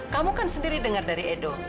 kamu kan sendiri dengar dari edo